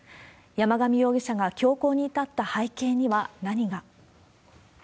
山上容疑者が凶行に至った背景には何が。